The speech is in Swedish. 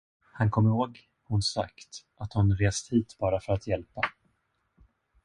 Han kom ihåg hon sagt, att hon rest hit bara för att hjälpa.